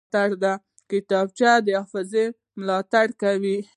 کتابچه د حافظې ملاتړ کوي